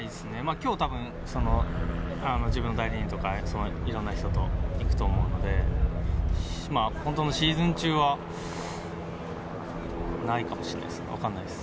きょう、たぶん、自分の代理人とか、いろんな人と行くと思うので、本当のシーズン中は、ないかもしれないですね、分かんないです。